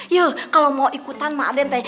ya kalau mau ikutan mak aden teh